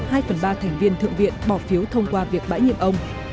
giờ nhiệm sở nếu có ít nhất hai phần ba thành viên thượng viện bỏ phiếu thông qua việc bãi nhiệm ông